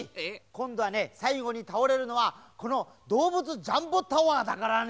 こんどはねさいごにたおれるのはこのどうぶつジャンボタワーだからね。